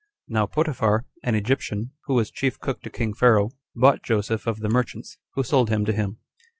1. Now Potiphar, an Egyptian, who was chief cook to king Pharaoh, bought Joseph of the merchants, who sold him to him.